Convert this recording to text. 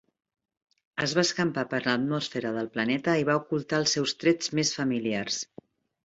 Es va escampar per l'atmosfera del planeta i va ocultar els seus trets més familiars.